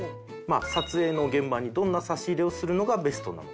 撮影の現場にどんな差し入れをするのがベストなのか